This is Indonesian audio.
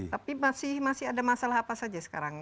tapi masih ada masalah apa saja sekarang